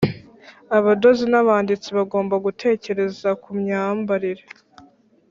abadozi n'abanditsi bagomba gutekereza ku myambarire